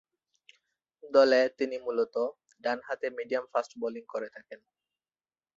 দলে তিনি মূলতঃ ডানহাতে মিডিয়াম ফাস্ট বোলিং করে থাকেন।